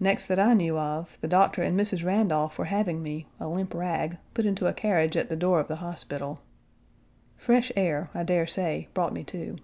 Next that I knew of, the doctor and Mrs. Randolph were having me, a limp rag, put into a carriage at the door of the hospital. Fresh air, I dare say, brought me to.